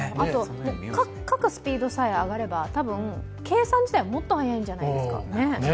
書くスピードさえ上がれば、多分計算自体はもっと速いんじゃないですかね。